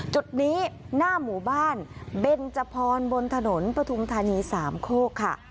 จุดนี้หน้าหมู่บ้านเบนจพรบนถนนปฐุมธานีสามโคกค่ะ